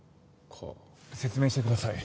説明してください。